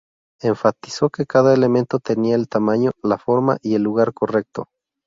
Enfatizó que cada elemento tenía el tamaño, la forma y el lugar correcto.